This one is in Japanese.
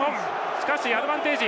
しかしアドバンテージ。